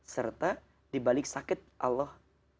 serta dibalik sakit allah